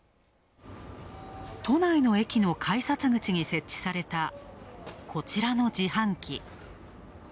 都内の駅の改札口に設置された、こちらの自販機。